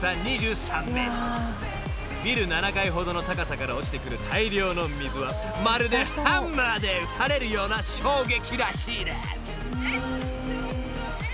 ［ビル７階ほどの高さから落ちてくる大量の水はまるでハンマーで打たれるような衝撃らしいです］